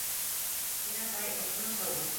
Һин, апай, ошоно ҡыу.